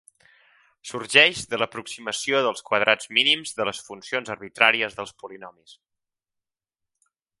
Sorgeix de l'aproximació dels quadrats mínims de les funcions arbitràries dels polinomis.